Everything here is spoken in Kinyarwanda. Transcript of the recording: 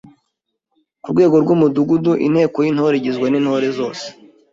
Ku rwego rw’Umudugudu Inteko y’Intore igizwe n’Intore zose